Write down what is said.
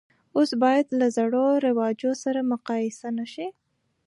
اوس باید له زړو رواجو سره مقایسه نه شي.